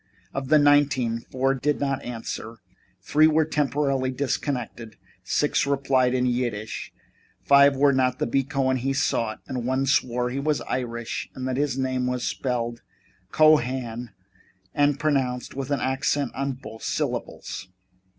Of the nineteen, four did not answer, three were temporarily disconnected, six replied in Yiddish, five were not the B. Cohen he sought, and one swore he was Irish and that his name was spelled Cohan and pronounced with an accent on both syllables.